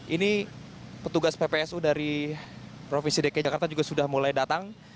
ini petugas ppsu dari provinsi dki jakarta juga sudah mulai datang